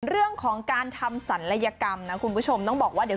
เรื่องของการทำศัลยกรรมนะคุณผู้ชมต้องบอกว่าเดี๋ยว